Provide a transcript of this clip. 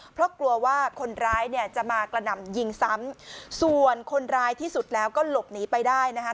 เพราะกลัวว่าคนร้ายเนี่ยจะมากระหน่ำยิงซ้ำส่วนคนร้ายที่สุดแล้วก็หลบหนีไปได้นะคะ